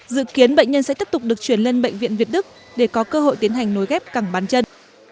dự kiến bệnh nhân sẽ tiếp tục được chuyển lên bệnh viện việt đức để có cơ hội tiến hành nối ghép thẳng bán chân